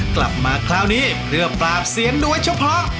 กลับมาคราวนี้เพื่อปราบเสียงโดยเฉพาะ